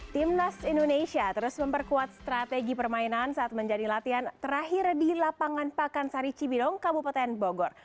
timnas indonesia terus memperkuat strategi permainan saat menjadi latihan terakhir di lapangan pakansari cibidong kabupaten bogor